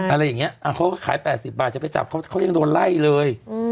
อะไรอย่างนี้เขาก็ขาย๘๐บาทจะไปจับเขายังโดนไล่เลย